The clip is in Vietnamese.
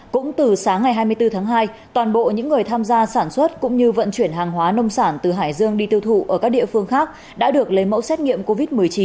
cũng từ sáng ngày hai mươi bốn tháng hai toàn bộ những người tham gia sản xuất cũng như vận chuyển hàng hóa nông sản từ hải dương đi tiêu thụ ở các địa phương khác đã được lấy mẫu xét nghiệm covid một mươi chín